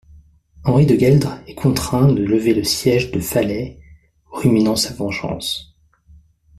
Henri de Gueldre est contraint de lever le siège de Fallais, ruminant sa vengeance.